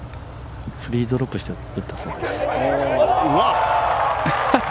フリードロップして打ったそうです。